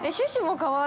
◆かわいい！